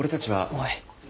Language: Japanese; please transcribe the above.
おい。